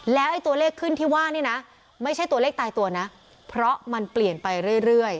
แล้วไอ้ตัวเลขขึ้นที่ว่านี่นะไม่ใช่ตัวเลขตายตัวนะเพราะมันเปลี่ยนไปเรื่อย